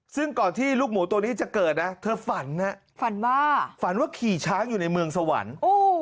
ซึ่งก่อนที่ลูกหมูตัวนี้จะเกิดนะเธอฝันนะฝันว่าฝันว่าขี่ช้างอยู่ในเมืองสวรรค์โอ้